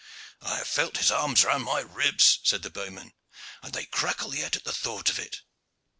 "I have felt his arms round my ribs," said the bowman, "and they crackle yet at the thought of it.